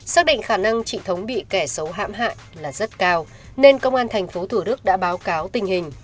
xác định khả năng chị thống bị kẻ xấu hạm hại là rất cao nên công an thành phố thủ đức đã báo cáo tình hình